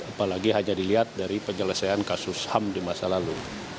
apalagi hanya dilihat dari penyelesaian kasus ham di masa lalu